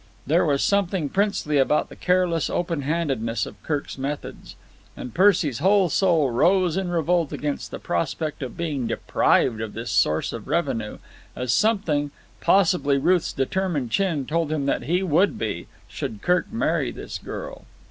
There was something princely about the careless open handedness of Kirk's methods, and Percy's whole soul rose in revolt against the prospect of being deprived of this source of revenue, as something, possibly Ruth's determined chin, told him that he would be, should Kirk marry this girl.